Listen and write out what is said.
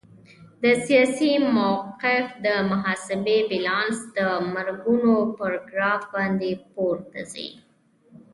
د سیاسي موقف د محاسبې بیلانس د مرګونو پر ګراف باندې پورته ځي.